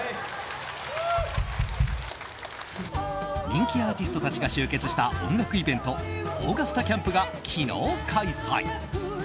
人気アーティストたちが集結した音楽イベントＡｕｇｕｓｔａＣａｍｐが昨日開催。